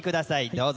どうぞ。